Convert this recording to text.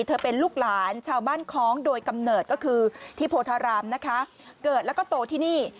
เป็นลูกหลานชาวบ้านคล้องโดยกำเนิดก็คือที่โพธารามนะคะเกิดแล้วก็โตที่นี่